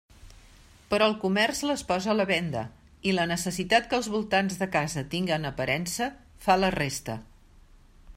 Però el comerç les posa a la venda, i la necessitat que els voltants de casa tinguen aparença fa la resta.